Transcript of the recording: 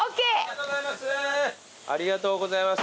ありがとうございます。